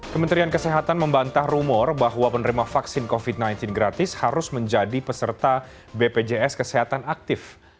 kementerian kesehatan membantah rumor bahwa penerima vaksin covid sembilan belas gratis harus menjadi peserta bpjs kesehatan aktif